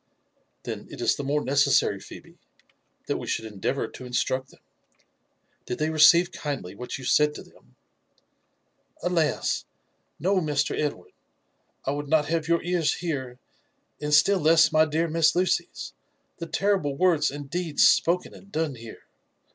"Then it is the more necessary, Phebe, that we should endeavour to instruct them. Did they receive kindly what you said to them ?"" Alas I no, Master Edward, I would not have your ears hear, and still less my dear Miss Lucy's, the terriMe words and deeds spoken and done here.